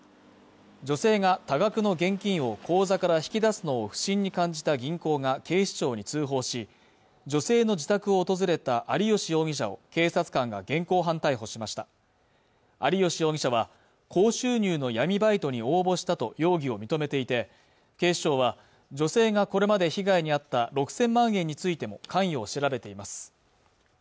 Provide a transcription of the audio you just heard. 女性が多額の現金を口座から引き出すのを不審に感じた銀行が警視庁に通報し女性の自宅を訪れた有吉容疑者を警察官が現行犯逮捕しました有吉容疑者は高収入の闇バイトに応募したと容疑を認めていて警視庁は女性がこれまで被害に遭った６０００万円についても関与を調べています